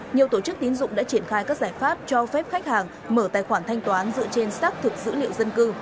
nhiều tổ chức tín dụng đã triển khai các giải pháp cho phép khách hàng mở tài khoản thanh toán dựa trên xác thực dữ liệu dân cư